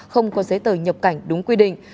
không có giấy tờ nhập cảnh đúng quy định